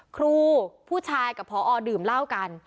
ครูผู้ชายกับพอดื่มเหล้ากัน